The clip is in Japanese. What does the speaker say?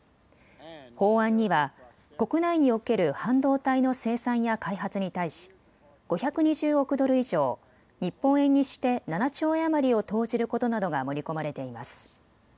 法案には国内における半導体の生産や開発に対し５２０億ドル以上日本円にして７兆円余りを投じることなどが盛り込まれています。